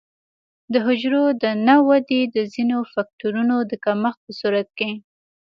د حجرو د نه ودې د ځینو فکټورونو د کمښت په صورت کې.